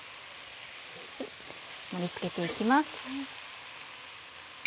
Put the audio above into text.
盛り付けて行きます。